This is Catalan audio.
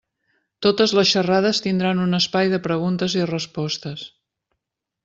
Totes les xerrades tindran un espai de preguntes i respostes.